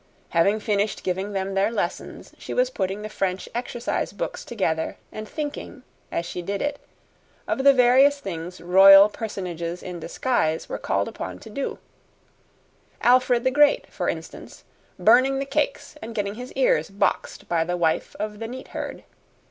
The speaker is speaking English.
Having finished giving them their lessons, she was putting the French exercise books together and thinking, as she did it, of the various things royal personages in disguise were called upon to do: Alfred the Great, for instance, burning the cakes and getting his ears boxed by the wife of the neat herd.